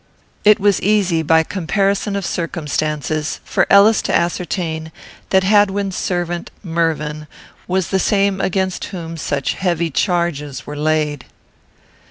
It was easy, by comparison of circumstances, for Ellis to ascertain that Hadwin's servant Mervyn was the same against whom such heavy charges were laid.